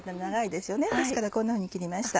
ですからこんなふうに切りました。